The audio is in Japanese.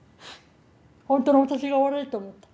本当に私が悪いと思った。